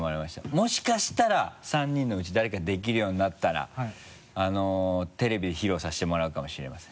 もしかしたら３人のうち誰かできるようになったらテレビで披露させてもらうかもしれません。